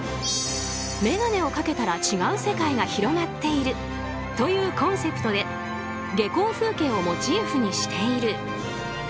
眼鏡をかけたら違う世界が広がっているというコンセプトで下校風景をモチーフにしている。